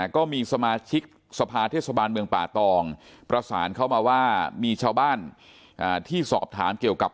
ก็มีสมาชิกสภาเทศบาลเมืองป่าตองประสานเข้ามาว่ามีชาวบ้านที่สอบถามเกี่ยวกับ